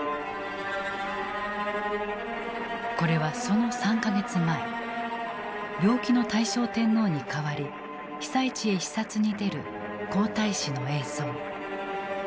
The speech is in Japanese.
これはその３か月前病気の大正天皇に代わり被災地へ視察に出る皇太子の映像。